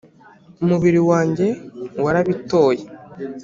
Umubiri wanjye warabitoye